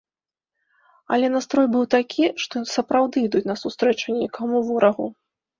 Але настрой быў такі, што і сапраўды ідуць насустрэчу нейкаму ворагу.